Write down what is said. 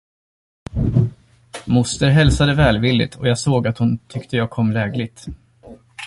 Moster hälsade välvilligt, och jag såg, att hon tyckte jag kom lägligt.